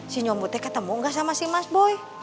si nyomote ketemu gak sama si mas boy